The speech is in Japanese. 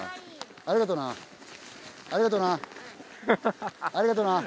ありがとなありがとな。